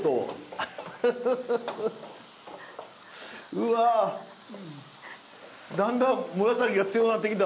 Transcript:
うわだんだん紫が強なってきた。